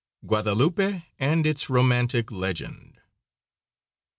GUADALUPE AND ITS ROMANTIC LEGEND.